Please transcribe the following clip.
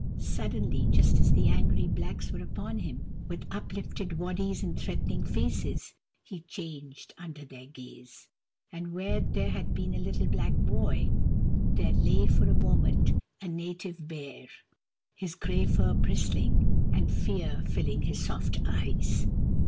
Suddenly, just as the angry blacks were upon him, with uplifted waddies and threatening faces, he changed under their gaze ; and where there had been a little black boy there lay for a moment a Native Bear, his grey fur bristling, and fear filling his soft eyes.